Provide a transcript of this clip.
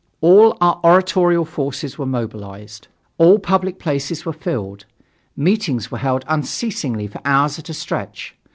All our oratorical forces were mobilized. All public places were filled. Meetings were held unceasingly for hours at a stretch.